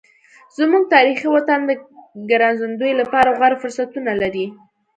زموږ تاریخي وطن د ګرځندوی لپاره غوره فرصتونه لري.